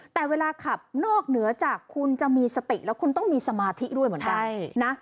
แต่เวลาขับนอกเหนือจากคุณจะมีสติแล้วคุณต้องมีสมาธิด้วยเหมือนกันนะ